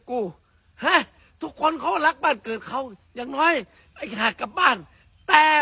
กูฮะทุกคนเขารักบ้านเกิดเขาอย่างน้อยไอ้ขาดกลับบ้านแต่